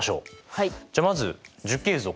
はい。